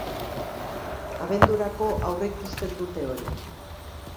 Abendurako aurreikusten dute hori.